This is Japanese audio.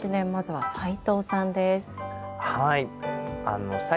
はい。